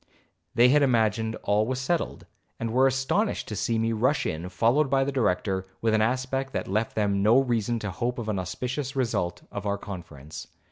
They had imagined all was settled, and were astonished to see me rush in, followed by the Director, with an aspect that left them no reason to hope of an auspicious result of our conference.